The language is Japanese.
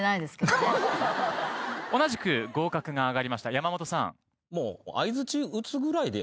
同じく合格が挙がりました山本さん。